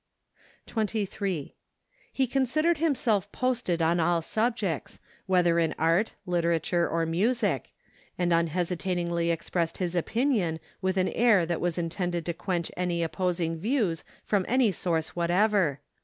23. He considered himself posted on all subjects, whether in art, literature, or music; and unhesitatingly expressed his opinion with an air that was intended to quench any opposing views from any source "what¬ ever.